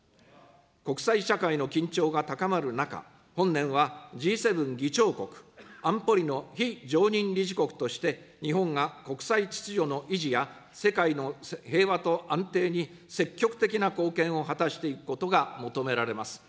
国際社会の緊張が高まる中、本年はＧ７議長国、安保理の非常任理事国として日本が国際秩序の維持や、世界の平和と安定に積極的な貢献を果たしていくことが求められます。